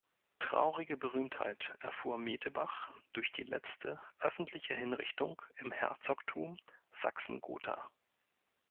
Traurige Berühmtheit erfuhr Metebach durch die letzte öffentliche Hinrichtung im Herzogtum Sachsen-Gotha.